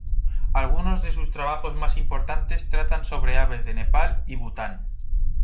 Algunos de sus trabajos más importantes tratan sobre aves de Nepal y Bhutan.